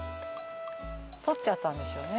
取っちゃったんでしょうね